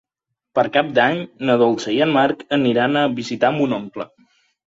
Per Cap d'Any na Dolça i en Marc aniran a visitar mon oncle.